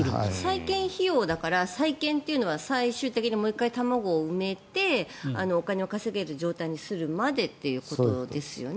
再建費用だから再建というのは最終的にもう１回卵を埋めてお金を稼げる状態にするまでということですよね。